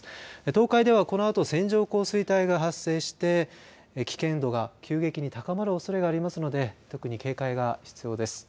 東海ではこのあと線状降水帯が発生して危険度が急激に高まるおそれがありますので特に警戒が必要です。